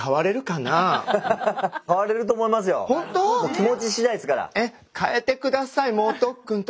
気持ちしだいですから。